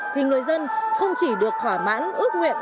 thì người dân không chỉ được thỏa mãn ước nguyện